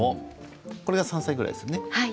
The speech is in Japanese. これは３歳ぐらいですね。